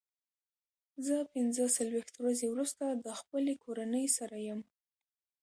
زه پنځه څلوېښت ورځې وروسته د خپلې کورنۍ سره یم.